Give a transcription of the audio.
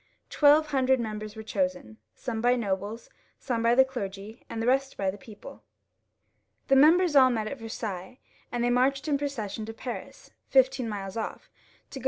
Twelve hundred members were chosen, some by the nobles, some by the clergy, and the rest by the people. The members all met at Versailles, and they marched in procession into Paris, fifteen miles off, to go.